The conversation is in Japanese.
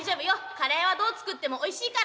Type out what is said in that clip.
カレーはどう作ってもおいしいから。